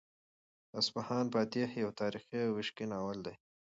د اصفهان فاتح یو تاریخي او عشقي ناول دی.